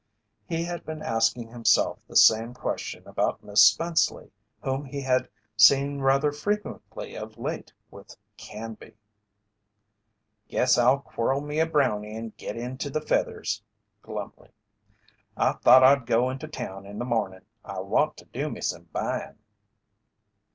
He had been asking himself the same question about Miss Spenceley, whom he had seen rather frequently of late with Canby. "Guess I'll quirl me a brownie and git into the feathers," glumly. "I thought I'd go into town in the mornin', I want to do me some buyin'."